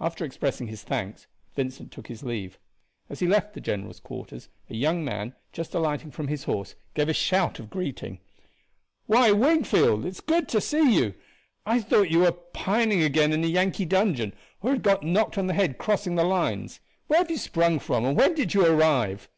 After expressing his thanks Vincent took his leave. As he left the general's quarters, a young man, just alighting from his horse, gave a shout of greeting. "Why, Wingfield, it is good to see you! I thought you were pining again in a Yankee dungeon, or had got knocked on the head crossing the lines. Where have you sprung from, and when did you arrive?"